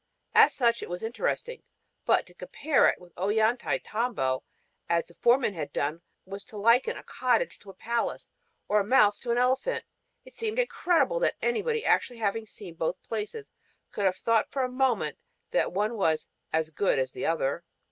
As such it was interesting; but to compare it with Ollantaytambo, as the foreman had done, was to liken a cottage to a palace or a mouse to an elephant. It seems incredible that anybody having actually seen both places could have thought for a moment that one was "as good as the other."